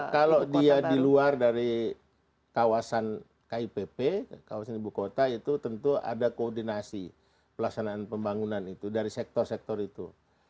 kalau dia di luar dari kawasan kipp kawasan ibu kota itu tentu ada koordinasi pelaksanaan pembangunan itu dari sektor sektor itu